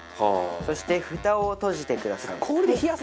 そしてフタを閉じてください。